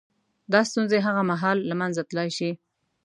• دا ستونزې هغه مهال له منځه تلای شي.